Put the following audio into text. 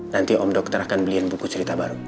nanti om dokter akan beliin buku cerita baru